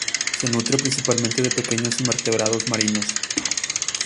Se nutre principalmente de pequeños invertebrados marinos.